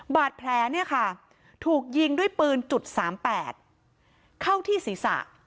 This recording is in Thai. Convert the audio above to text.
บาดแผลเนี่ยค่ะถูกยิงด้วยปืน๓๘เข้าที่ศีรษะ